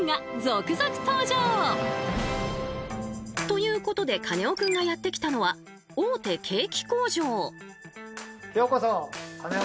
ということでカネオくんがやって来たのは大手ケーキ工場。